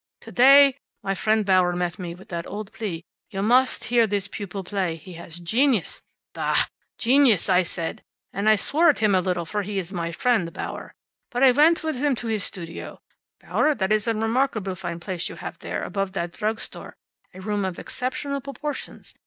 To day, my friend Bauer met me with that old plea, `You must hear this pupil play. He has genius.' `Bah! Genius!' I said, and I swore at him a little, for he is my friend, Bauer. But I went with him to his studio Bauer, that is a remarkably fine place you have there, above that drug store; a room of exceptional proportions.